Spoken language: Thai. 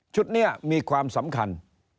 นี้มีความสำคัญ